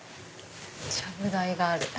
ちゃぶ台がある。